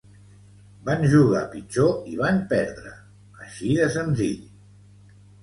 Van jugar pitjor i van perdre, així de senzill.